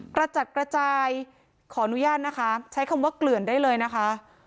กระจัดกระจายขออนุญาตนะคะใช้คำว่าเกลื่อนได้เลยนะคะ